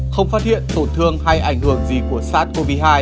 không phát hiện tổn thương hay ảnh hưởng gì của sars cov hai